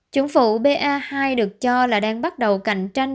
chủng phụ ba hai được cho là đang bắt đầu cạnh tranh